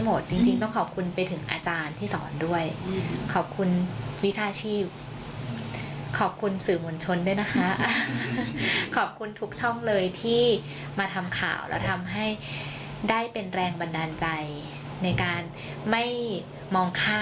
ไม่มองข้าม